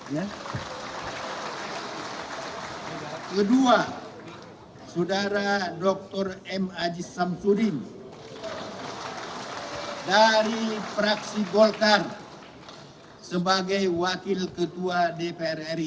ya kedua saudara dr m aji samsudin dari fraksi golkar sebagai wakil ketua dpr ri